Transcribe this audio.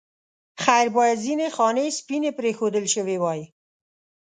خیر باید ځینې خانې سپینې پرېښودل شوې وای.